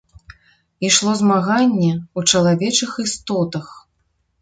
Ішло змаганне ў чалавечых істотах.